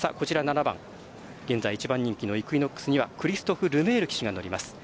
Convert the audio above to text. ７番、現在１番人気のイクイノックスにはクリストフ・ルメール騎手が乗ります。